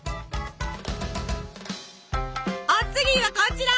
お次はこちら。